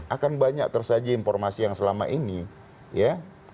akan banyak tersaji informasi yang selama ini ya